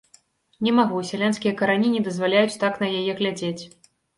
Не магу, сялянскія карані не дазваляюць так на яе глядзець.